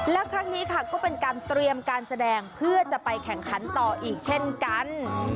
และครั้งนี้ค่ะก็เป็นการเตรียมการแสดงเพื่อจะไปแข่งขันต่ออีกเช่นกัน